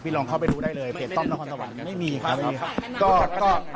พี่ลองเข้าไปดูได้เลยเปรียบต้องนะครับไม่มีครับ